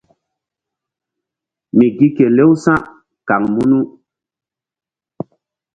Mi gi kelew sa̧ kaŋ munu.